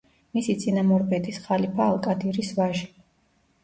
მისი წინამორბედის, ხალიფა ალ-კადირის ვაჟი.